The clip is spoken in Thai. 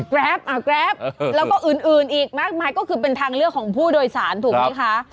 แกรปแล้วก็อื่นอีกมากมายก็คือเป็นทางเลือกของผู้โดยสารถูกไหมคะ